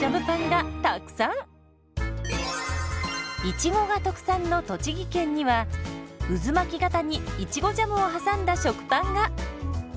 いちごが特産の栃木県には渦巻き型にいちごジャムを挟んだ食パンが！